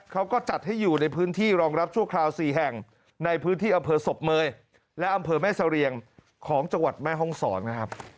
เขาก็จัดให้อยู่ในพื้นที่รองรับชั่วคราว๔แห่งในพื้นที่อำเภอศพเมยและอำเภอแม่เสรียงของจังหวัดแม่ห้องศรนะครับ